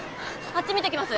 あっち見てきます。